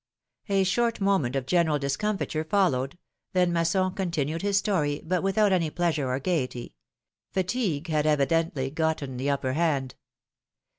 A short moment of general discomfiture followed, then Masson continued his story, but without any pleasure or gayety — fatigue had evidently gotten the upper hand.